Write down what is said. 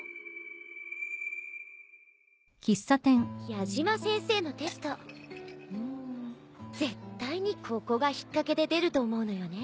矢島先生のテスト絶対にここが引っかけで出ると思うのよね。